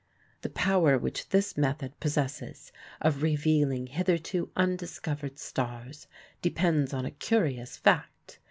The power which this method possesses of revealing hitherto undiscovered stars depends on a curious fact.